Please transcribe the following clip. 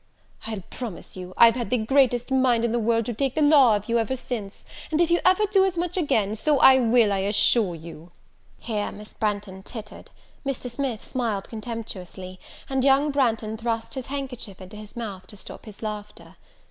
I'll promise you, I've had the greatest mind in the world to take the law of you ever since; and if ever you do as much again, so I will, I assure you!" Here Miss Branghton tittered, Mr. Smith smiled contemptously, and young Branghton thrust his handkerchief into his mouth to stop his laughter.